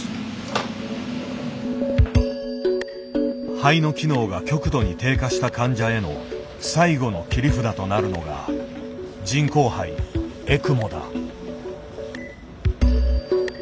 肺の機能が極度に低下した患者への最後の切り札となるのが人工肺「エクモ」だ。